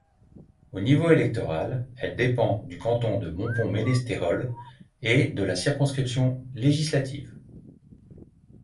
Au niveau électoral, elle dépend du canton de Montpon-Ménestérol et de la circonscription législative.